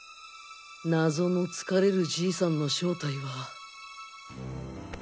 謎の疲れる爺さんの正体は。